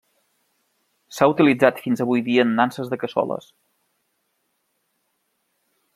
S'ha utilitzat fins avui dia en nanses de cassoles.